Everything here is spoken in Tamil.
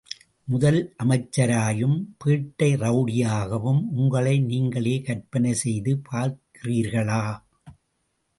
முதலமைச்சராயும் பேட்டை ரெளடியாகவும் உங்களை நீங்களே கற்பனை செய்து பார்க்கிறீர்களா..?